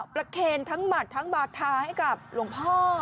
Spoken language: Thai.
เคนทั้งหมัดทั้งบาทาให้กับหลวงพ่อ